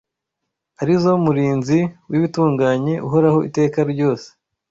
ari yo murinzi w’ibitunganye uhoraho iteka ryose